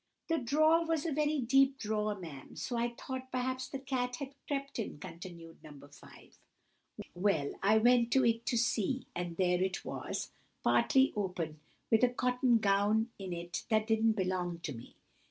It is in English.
"The drawer was a very deep drawer, ma'am, so I thought perhaps the cat had crept in," continued No. 5. "Well, I went to it to see, and there it was, partly open, with a cotton gown in it that didn't belong to me.